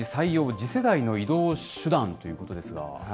次世代の移動手段ということですが。